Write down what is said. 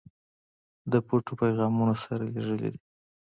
د پټو پیغامونو سره لېږلی دي.